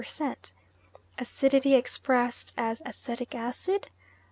35 Acidity expressed as acetic acid